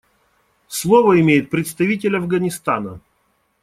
Слово имеет представитель Афганистана.